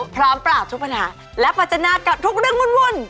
พร้อมปราบทุกปัญหาและปัจจนากับทุกเรื่องวุ่น